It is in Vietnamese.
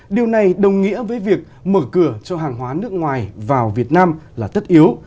điều này đồng nghĩa với việc mở cửa cho hàng hóa nước ngoài vào việt nam là tất yếu